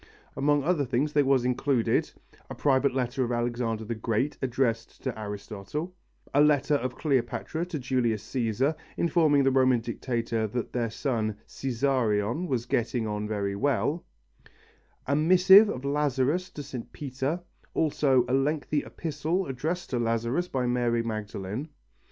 Among other things there was included: a private letter of Alexander the Great addressed to Aristotle; a letter of Cleopatra to Julius Cæsar, informing the Roman Dictator that their son "Cesarion" was getting on very well; a missive of Lazarus to St. Peter; also a lengthy epistle addressed to Lazarus by Mary Magdalen.